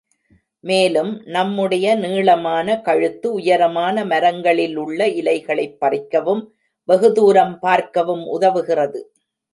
மேலும், நம் முடைய நீளமான கழுத்து உயரமான மரங்களில் உள்ள இலைகளைப் பறிக்கவும், வெகு தூரம் பார்க்கவும் உதவுகிறது.